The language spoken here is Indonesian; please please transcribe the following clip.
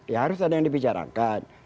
ya harus ada yang dibicarakan